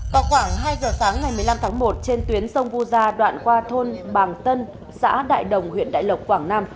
vào khoảng hai giờ sáng ngày một mươi năm tháng một trên tuyến sông vu gia đoạn qua thôn bàng tân xã đại đồng huyện đại lộc quảng nam